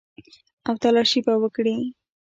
او تلاشي به وکړي.